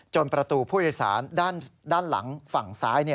ประตูผู้โดยสารด้านหลังฝั่งซ้าย